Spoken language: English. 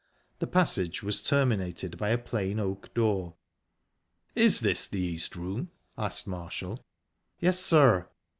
The passage was terminated by a plain oak door. "Is this the East Room?" asked Marshall. "Yes, sir."